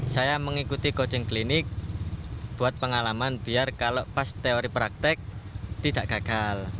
saya mengikuti coaching klinik buat pengalaman biar kalau pas teori praktek tidak gagal